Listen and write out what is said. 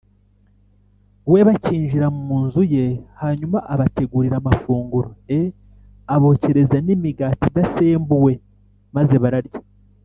We Bakinjira Mu Nzu Ye Hanyuma Abategurira Amafunguro E Abokereza N Imigati Idasembuwe Maze Bararya